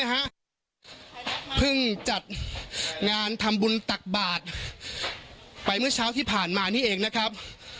เพิ่งจัดงานทำบุญตักบาทไปเมื่อเช้าที่ผ่านมานี่เองนะครับ